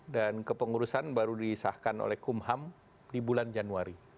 dan kepengurusan baru disahkan oleh kumham di bulan januari